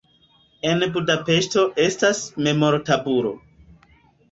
En Budapeŝto estas memortabulo.